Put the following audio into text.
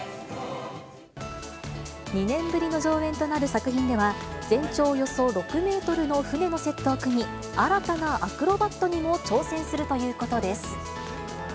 ２年ぶりの上演となる作品では、全長およそ６メートルの船のセットを組み、新たなアクロバットにも挑戦するということです。